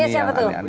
maksudnya siapa tuh